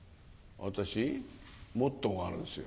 私モットーがあるんですよ